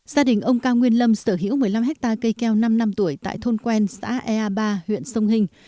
gia đình ông cao nguyên lâm sở hữu một mươi năm hectare cây keo năm năm tuổi tại thôn quen xã ea ba huyện sông hình